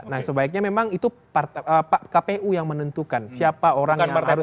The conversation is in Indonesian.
nah sebaiknya memang itu kpu yang menentukan siapa orang yang harus